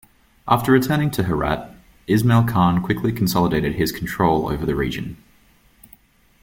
After returning to Herat, Ismail Khan quickly consolidated his control over the region.